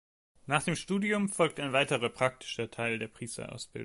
Nach dem Studium folgt ein weiterer praktischer Teil der Priesterausbildung.